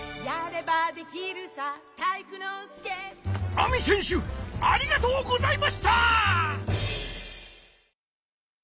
ＡＭＩせんしゅありがとうございました！